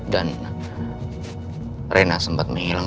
dan rena sempat menghilang